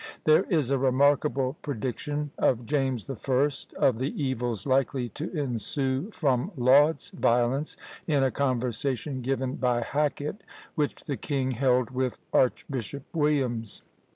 There is a remarkable prediction of James the First of the evils likely to ensue from Laud's violence, in a conversation given by Hacket, which the king held with Archbishop Williams.